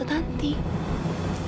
anak kandung dari tante tanti